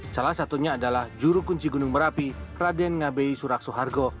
salah satunya adalah juru kunci gunung merapi raden ngabei surak soehargo